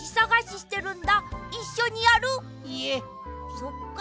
そっか。